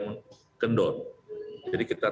mengkendon jadi kita